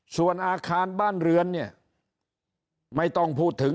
ส่วนอาคารบ้านเรือนเนี่ยไม่ต้องพูดถึง